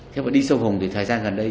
theo tôi đi sâu hùng thì thời gian gần đây